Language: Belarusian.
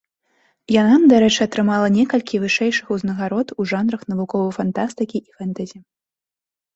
Яна, дарэчы, атрымала некалькі вышэйшых узнагарод у жанрах навуковай фантастыкі і фэнтэзі.